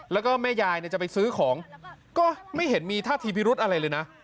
แล้วก็แม่ยายจะไปซื้อของก็ไม่เห็นมีท่าทีพิรุธอะไรเลยนะ